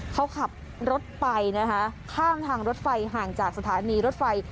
เขาขับรถไปนะคะข้ามทางรถไฟห่างจากสถานีรถไฟ